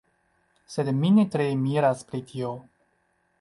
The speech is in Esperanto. Sed mi ne tre miras pri tio.